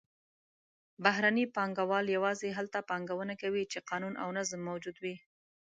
بهرني پانګهوال یوازې هلته پانګونه کوي چې قانون او نظم موجود وي.